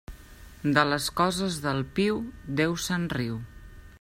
De les coses del piu, Déu se'n riu.